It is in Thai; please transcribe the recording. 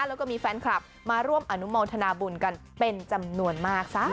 แล้วก็มีแฟนคลับมาร่วมอนุโมทนาบุญกันเป็นจำนวนมากซะ